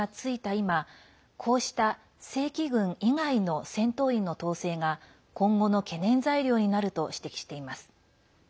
今こうした正規軍以外の戦闘員の統制が今後の懸念材料になると指摘しています。